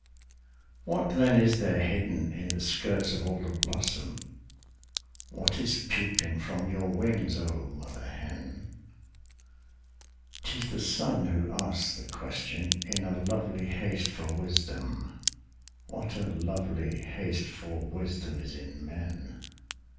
What then is there hidden in the skirts of all the blossom, What is peeping from your wings, oh mother hen? 'T is the sun who asks the question, in a lovely haste for wisdom What a lovely haste for wisdom is in men?